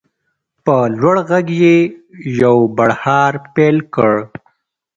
په لوړ غږ یې یو بړهار پیل کړ.